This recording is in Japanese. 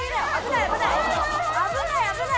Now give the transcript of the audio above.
危ない危ない！